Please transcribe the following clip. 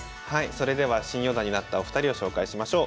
それでは新四段になったお二人を紹介しましょう。